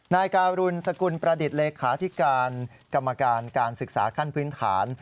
นายการุณสกุลประดิษฐ์เลขาธิการกรรมการการศึกษาขั้นพื้นฐาน